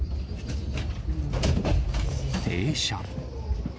停車。